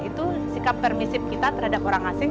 itu sikap permisif kita terhadap orang asing